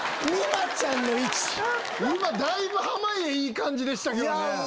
だいぶ濱家いい感じでしたけどね。